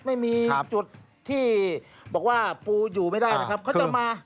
ไม่มีจุดที่บอกว่าปูอยู่ไม่ได้นะครับเขาจะมา